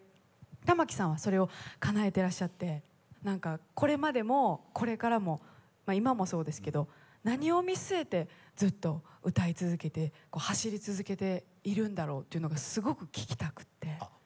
玉置さんはそれをかなえてらっしゃってこれまでもこれからもまあ今もそうですけど何を見据えてずっと歌い続けて走り続けているんだろうというのがすごく聞きたくて。